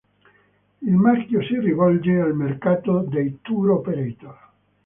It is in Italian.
Il marchio si rivolge al mercato dei tour operator.